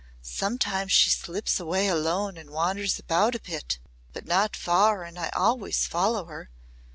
"Sometimes she slips away alone and wanders about a bit. But not far and I always follow her.